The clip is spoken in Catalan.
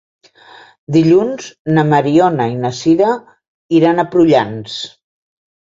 Dilluns na Mariona i na Sira iran a Prullans.